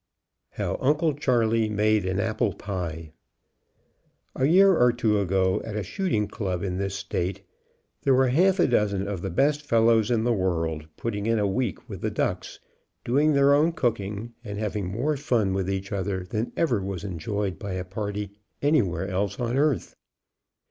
HOW UNCLE CHARLEY MADE AN APPLE PIE. A year or two ago, at a shooting club in this state, there were half a dozen of the best fellows in the world putting in a week with the ducks, doing their own cooking, and having more fun with each other than ever was enjoyed by a party anywhere else on earth.